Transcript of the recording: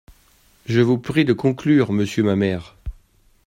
Je vous prie de conclure, monsieur Mamère.